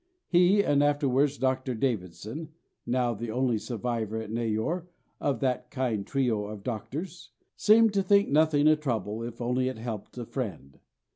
He, and afterwards Dr. Davidson (now the only survivor at Neyoor of that kind trio of doctors), seemed to think nothing a trouble if only it helped a friend.